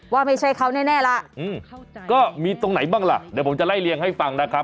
ว่าไม่ใช่เขาแน่ล่ะก็มีตรงไหนบ้างล่ะเดี๋ยวผมจะไล่เลี่ยงให้ฟังนะครับ